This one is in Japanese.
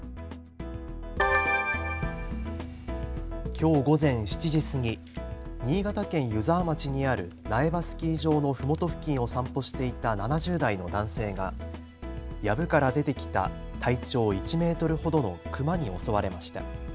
きょう午前７時過ぎ新潟県湯沢町にある苗場スキー場のふもと付近を散歩していた７０代の男性がやぶから出てきた体長１メートルほどのクマに襲われました。